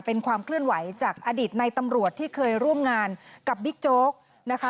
เป็นความเคลื่อนไหวจากอดีตในตำรวจที่เคยร่วมงานกับบิ๊กโจ๊กนะคะ